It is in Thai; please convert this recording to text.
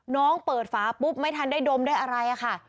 น้องเปิดฝาปุ๊บไม่ทันได้ดมได้อะไรอะค่ะ